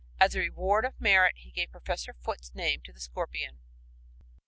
As a reward of merit, he gave Professor Foote's name to the scorpion!